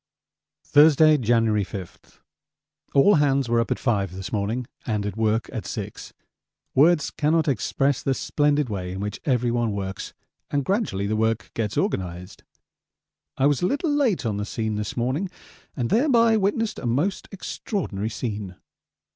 Thursday, January 5. All hands were up at 5 this morning and at work at 6. Words cannot express the splendid way in which everyone works and gradually the work gets organised. I was a little late on the scene this morning, and thereby witnessed a most extraordinary scene.